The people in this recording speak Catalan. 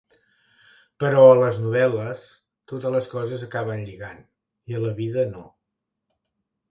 Però a les novel·les totes les coses acaben lligant, i a la vida no.